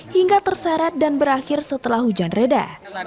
hingga terseret dan berakhir setelah hujan reda